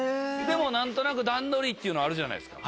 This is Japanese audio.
何となく段取りっていうのはあるじゃないですか。